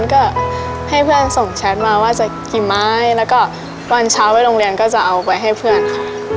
ก็ให้เพื่อนส่งแชทมาว่าจะกี่ไม้แล้วก็วันเช้าไปโรงเรียนก็จะเอาไปให้เพื่อนค่ะ